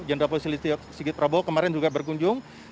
jenderal polisi listio sigit prabowo kemarin juga berkunjung